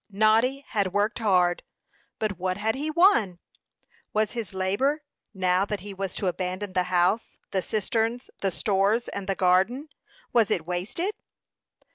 Noddy had worked hard; but what had he won? Was his labor, now that he was to abandon the house, the cisterns, the stores, and the garden, was it wasted?